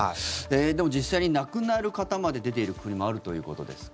でも実際に亡くなる方まで出ている国もあるということですが。